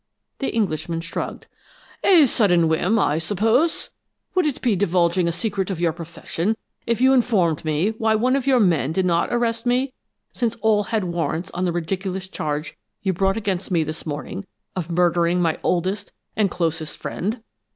The Englishman shrugged. "A sudden whim, I suppose. Would it be divulging a secret of your profession if you informed me why one of your men did not arrest me, since all had warrants on the ridiculous charge you brought against me this morning, of murdering my oldest and closest friend?"